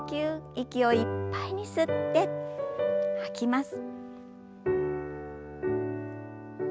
息をいっぱいに吸って吐きます。